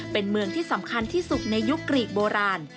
เป็นเมืองที่สำคัญที่สุดในยุคกรีกโบราณ